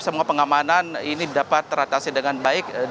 semua pengamanan ini dapat teratasi dengan baik